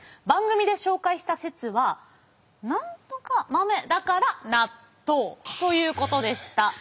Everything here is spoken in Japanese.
番組で紹介した説は「何とか豆だから納豆」ということでした。